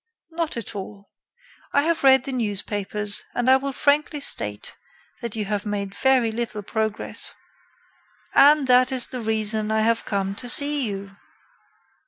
"Not at all. I have read the newspapers and I will frankly state that you have made very little progress." "And that is the reason I have come to see you."